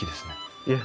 いえ。